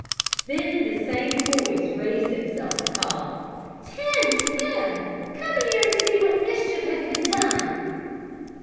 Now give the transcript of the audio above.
Then the same voice raised itself and called "Tim, Tim, come here and see what mischief has been done!"